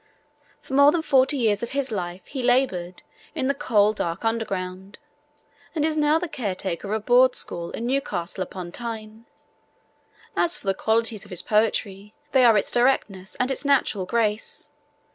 For more than forty years of his life he laboured in 'the coal dark underground,' and is now the caretaker of a Board school in Newcastle upon Tyne. As for the qualities of his poetry, they are its directness and its natural grace.